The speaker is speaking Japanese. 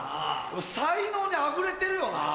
才能にあふれてるよなぁ。